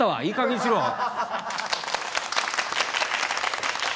いいかげんにしろ。